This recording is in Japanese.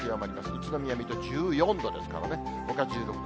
宇都宮、水戸、１４度ですからね、ほか１６度。